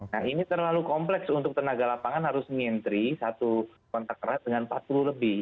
nah ini terlalu kompleks untuk tenaga lapangan harus nyentri satu kontak erat dengan empat puluh lebih